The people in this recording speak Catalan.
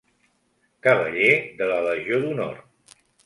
Cavaller de la Legió d'Honor.